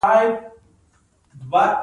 صدقه ورکړي.